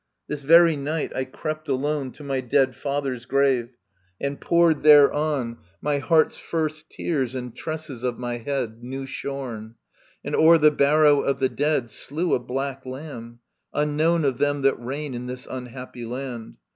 This very night I crept alone To my dead father's grave, and pourec}^ thereon My heart's first tears and tresses of my head New shorn, and o'er the barrow of the dead Slew a black lamb, unknown of them that reign In this unhappy Iiand.